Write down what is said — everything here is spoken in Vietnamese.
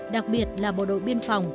đặc biệt là bộ đội biên phòng